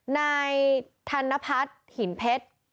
ในธันพัฒน์หินเพชร